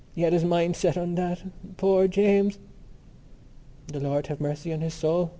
He had his mind set on that.... Poor James!" "The Lord have mercy on his soul!"